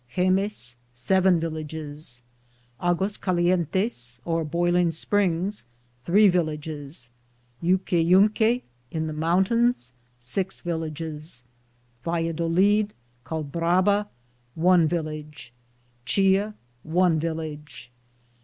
Hemes," seven villages. Agues Calientes,* or Boiling Springs, three villages. Yuqueyunque,' in the mountains, six vil lages. Valladolid, called Braba,' one village. Chin," one village.